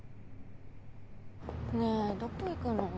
ねえどこ行くの？